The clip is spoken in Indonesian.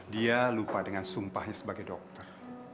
dia lupa dengan sumpahnya sebagai dokter